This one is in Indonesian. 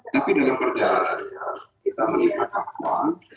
tapi dalam perjalanannya kita melihat bahwa